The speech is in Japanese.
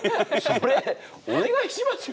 それお願いしますよ